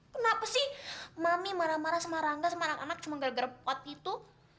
kenapa sih mami marah marah sama rangga sama anak anak cuma gara gara buat gitu